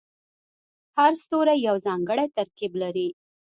هر ستوری یو ځانګړی ترکیب لري.